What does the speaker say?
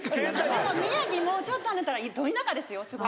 でも宮城もちょっと離れたらど田舎ですよすごい。